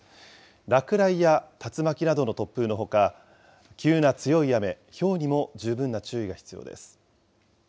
落雷や竜巻などの突風のほか、急な強い雨、ひょうにも十分な注意が必要です。